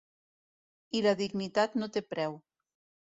I la dignitat no té preu.